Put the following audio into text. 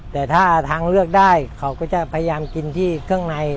แต่ถ้าทางเลือกได้เขาก็จะพยายามกินที่เครื่องใน